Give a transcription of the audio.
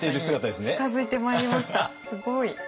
すごい。